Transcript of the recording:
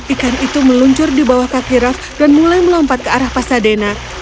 ikan itu meluncur di bawah kaki raff dan mulai melompat ke arah pasadena